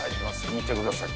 見てください。